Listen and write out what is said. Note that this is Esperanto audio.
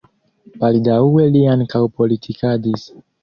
Baldaŭe li ankaŭ politikadis.